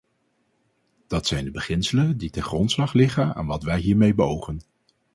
Dat zijn de beginselen die ten grondslag liggen aan wat wij hiermee beogen.